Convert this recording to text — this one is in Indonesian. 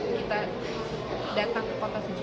kita datang ke kota sujud